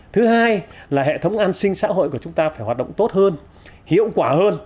thứ hai là hệ thống an sinh xã hội của chúng ta phải hoạt động tốt hơn hiệu quả hơn